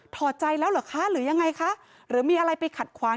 อดใจแล้วเหรอคะหรือยังไงคะหรือมีอะไรไปขัดขวาง